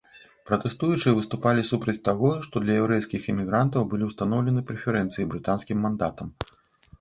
Пратэстуючыя выступалі супраць таго, што для яўрэйскіх імігрантаў былі ўстаноўлены прэферэнцыі брытанскім мандатам.